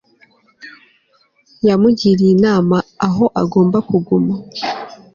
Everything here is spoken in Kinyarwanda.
yamugiriye inama aho agomba kuguma